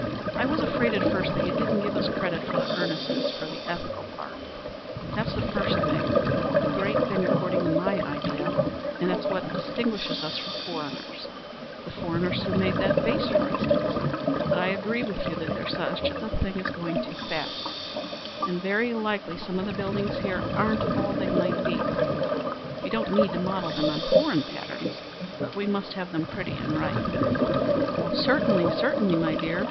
I was afraid at first that you didn't give us credit for the earnestness for the ethical part. That's the first thing, the great thing according to my idea, and it's what distinguishes us from foreigners, the foreigners who made that vase, for instance. But I agree with you that there's such a thing as going too fast, and very likely some of the buildings here aren't all they might be. We don't need to model them on foreign patterns, but we must have them pretty and right." "Certainly, certainly, my dear.